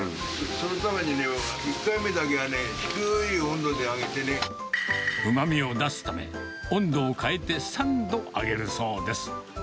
それのためにね、１回目だけはね、うまみを出すため、温度を変えて、３度揚げるそうです。